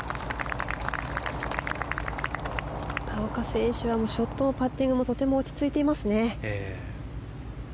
畑岡選手はショットもパッティングもとても落ち着いていますね。